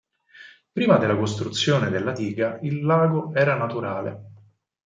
Prima della costruzione della diga il lago era naturale.